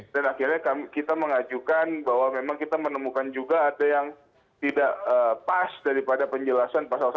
dan akhirnya kita mengajukan bahwa memang kita menemukan juga ada yang tidak pas daripada penjelasan pasal satu ratus enam puluh sembilan